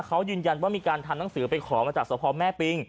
เขายืนยันว่ามีการทำหนังสือไปขอมาจากสภแม่ปิง